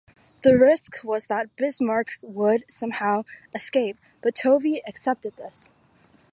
The risk was that "Bismarck" would, somehow, escape but Tovey accepted this.